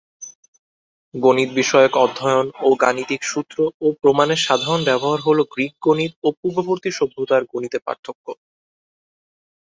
গণিত বিষয়ক অধ্যয়ন ও গাণিতিক সূত্র ও প্রমাণের সাধারণ ব্যবহার হল গ্রিক গণিত ও পূর্ববর্তী সভ্যতার গণিতে পার্থক্য।